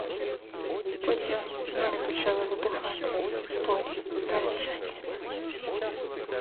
Потім вони почали вибухати в полі перед шанцями.